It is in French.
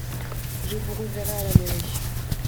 Je vous reverrai à la mairie.